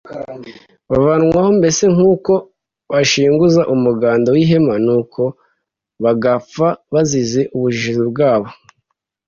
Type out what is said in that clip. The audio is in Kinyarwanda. bavanwaho, mbese nk'uko bashinguza umuganda w'ihema, nuko bagapfa bazize ubujiji bwabo